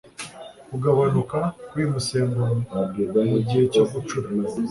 Kugabanuka k'uyu musemburo mu gihe cyo gucura